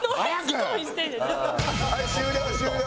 はい終了終了！